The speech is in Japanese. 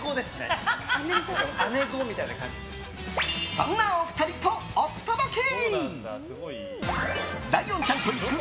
そんなお二人とお届け！